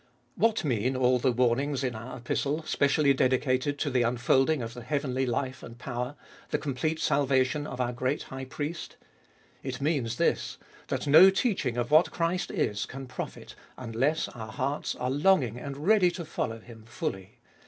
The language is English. What mean all the warnings in our Epistle, specially dedicated to the unfolding of the heavenly life and power, the complete 142 ftbe Ibolfest of ail salvation of our great High Priest? It means this, that no teaching of what Christ is can profit, unless our hearts are longing and ready to follow Him fully.